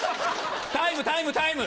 タイムタイムタイム！